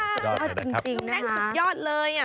จริงเป็นนะครับลูงแดงสุดยอดเลยอะ